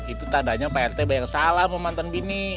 itu tadanya parete banyak salah mau mantan bini